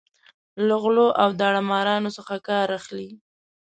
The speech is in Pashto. له غلو او داړه مارانو څخه کار اخلي.